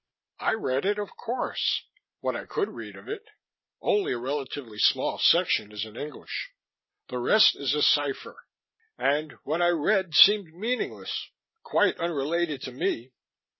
"I read it, of course what I could read of it. Only a relatively small section is in English. The rest is a cipher. And what I read seemed meaningless quite unrelated to me.